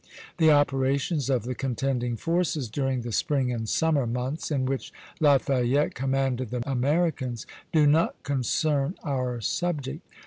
The operations of the contending forces during the spring and summer months, in which Lafayette commanded the Americans, do not concern our subject.